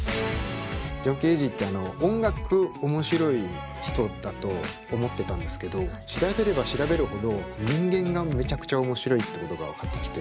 ジョン・ケージってあの音楽面白い人だと思ってたんですけど調べれば調べるほど人間がめちゃくちゃ面白いってことが分かってきて。